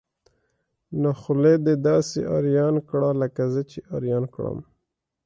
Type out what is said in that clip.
نو خولي ده داسې اریان کړه لکه زه چې اریان کړم.